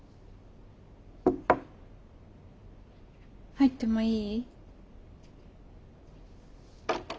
入ってもいい？